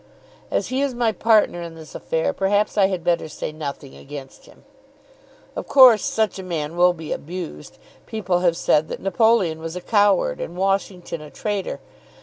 "As he is my partner in this affair perhaps I had better say nothing against him." "Of course such a man will be abused. People have said that Napoleon was a coward, and Washington a traitor.